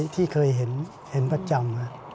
ที่เคยเห็นประจำ